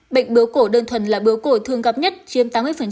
bệnh bướu cổ đơn thuần là bướu cổ thường gặp nhất chiếm tám mươi